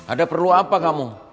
ada perlu apa kamu